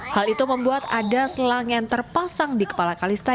hal itu membuat ada selang yang terpasang di kepala kalista